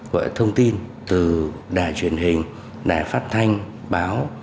gọi là thông tin từ đài truyền hình đài phát thanh báo